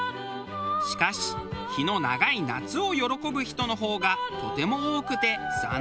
しかし日の長い夏を喜ぶ人の方がとても多くて残念です。